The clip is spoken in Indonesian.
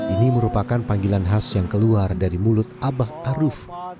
ini merupakan panggilan khas yang keluar dari mulut abah aruf